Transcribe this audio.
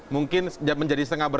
mungkin menjadi setengah berat